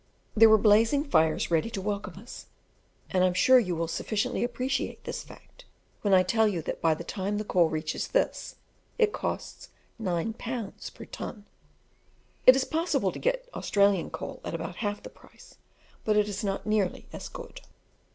There were blazing fires ready to welcome us, and I feel sure you will sufficiently appreciate this fact when I tell you that by the time the coal reaches this, it costs nine pounds per ton. It is possible to get Australian coal at about half the price, but it is not nearly as good.